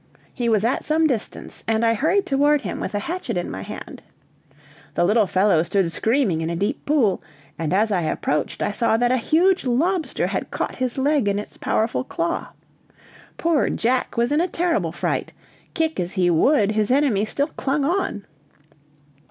He was at some distance, and I hurried toward him with a hatchet in my hand. The little fellow stood screaming in a deep pool, and as I approached, I saw that a huge lobster had caught his leg in its powerful claw. Poor Jack was in a terrible fright; kick as he would, his enemy still clung on.